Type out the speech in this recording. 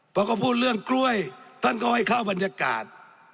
พอเขาพูดเรื่องกล้วยท่านก็ให้เข้าบรรยากาศ